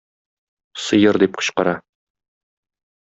Сыер! - дип кычкыра.